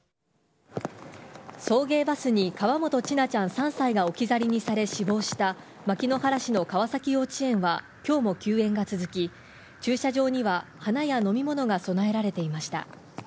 送迎バスに河本千奈ちゃん３歳が置き去りにされ死亡した牧之原市の川崎幼稚園は今日も休園が続き駐車場には花や飲み物が供えられていました。